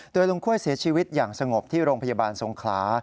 ลุงค่วยเสียชีวิตอย่างสงบที่โรงพยาบาลสงขลา